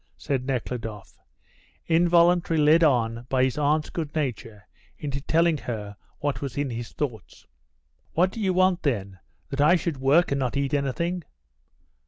said Nekhludoff, involuntarily led on by his aunt's good nature into telling her what he was in his thoughts. "What do you want, then? That I should work and not eat anything?"